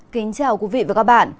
kính chào quý vị và các bạn